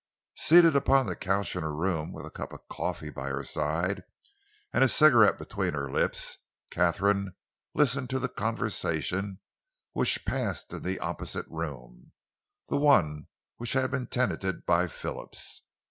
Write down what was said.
Seated upon the couch in her room, with a cup of coffee by her side and a cigarette between her lips, Katharine listened to the conversation which passed in the opposite room, the one which had been tenanted by Phillips.